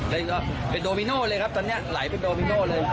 แล้วก็เป็นโดมิโน่เลยครับตอนนี้ไหลเป็นโดมิโน่เลย